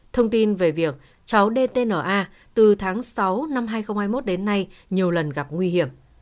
thông tin về việc cháu dtna từ tháng sáu năm hai nghìn hai mươi một đến nay nhiều lần gặp nguy hiểm